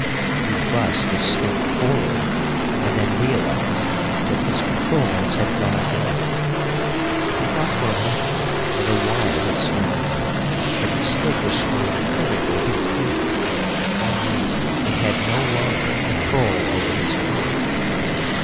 He thrust the stick forward and then realized that his controls had gone dead! He thought for a moment that a wire had snapped. But the stick responded perfectly to his hand, only it had no longer control over his plane.